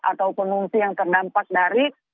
atau pengungsi yang terdampak dari